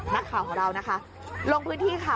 นักข่าวของเรานะคะลงพื้นที่ค่ะ